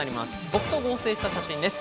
僕と合成した写真です。